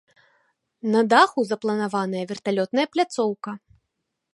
На даху запланаваная верталётная пляцоўка.